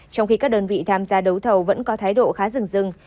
trong khi các đơn vị tham gia đấu thầu vẫn có thái độ khá rừng rưng